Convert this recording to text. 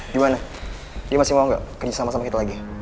gimana dia masih mau gak kerjasama sama kita lagi